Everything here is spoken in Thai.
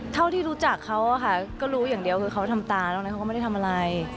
เท่าที่รู้จักเขาก็รู้อย่างเดียวคือเขาทำตานอกนั้นเขาก็ไม่ได้ทำอะไร